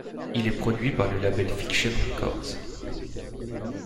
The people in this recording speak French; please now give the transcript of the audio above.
Il est produit par le label Fiction Records.